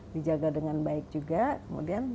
dijaga dengan baik juga kemudian